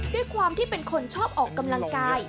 ด้วยความที่เป็นคนชอบออกกำลังกาย